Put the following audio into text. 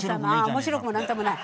面白くも何ともない。